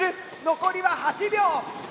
残りは８秒。